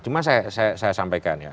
cuma saya sampaikan ya